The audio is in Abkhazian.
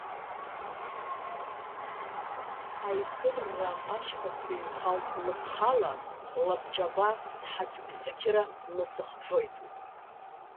Аисырра ашьха сыҩхалт лыԥхала, лабҿаба сҳақьԥсықьра насыхҟьоит.